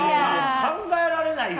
考えられない。